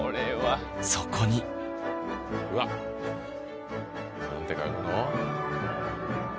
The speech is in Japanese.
そこにうわっ何て書くの？